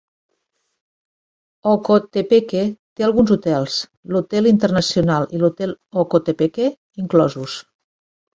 Ocotepeque té alguns hotels, l'hotel Internacional i l'hotel Ocotepeque inclosos.